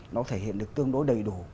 nó thể hiện được tương đối đầy đủ